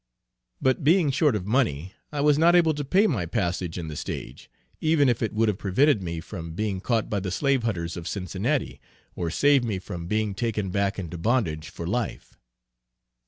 But being short of money, I was not able to pay my passage in the stage, even if it would have prevented me from being caught by the slave hunters of Cincinnati, or save me from being taken back into bondage for life.